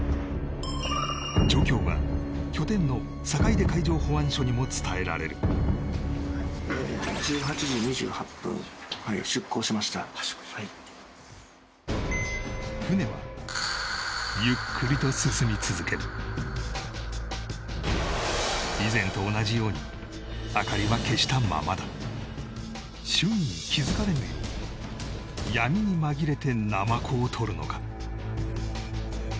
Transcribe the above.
状況は拠点のにも伝えられる船はゆっくりと進み続ける以前と同じように明かりは消したままだ周囲に気づかれぬよう闇に紛れてナマコをとるのか？